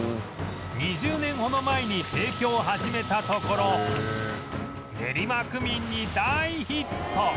２０年ほど前に提供を始めたところ練馬区民に大ヒット！